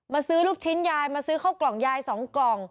ซื้อลูกชิ้นยายมาซื้อเข้ากล่องยาย๒กล่อง